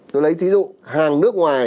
tôi lấy thí dụ hàng nước ngoài